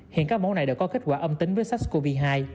hiện các mẫu này đều có kết quả âm tính với sars cov hai